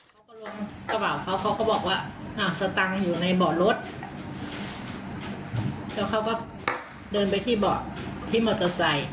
เขาก็ลงกระเป๋าเขาเขาก็บอกว่าอ้าวสตังค์อยู่ในเบาะรถแล้วเขาก็เดินไปที่เบาะที่มอเตอร์ไซค์